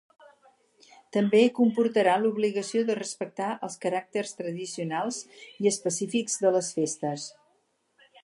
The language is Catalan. També comportarà l'obligació de respectar els caràcters tradicionals i específics de les festes.